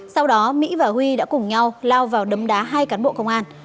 sau đó mỹ và huy đã cùng nhau lao vào đấm đá hai cán bộ công an